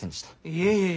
いえいえ。